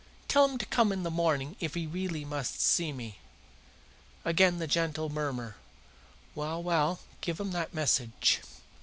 Tell him to come in the morning if he really must see me." Again the gentle murmur. "Well, well, give him that message.